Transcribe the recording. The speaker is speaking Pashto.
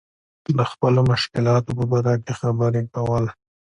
د خپلو مشکلاتو په باره کې خبرې کول.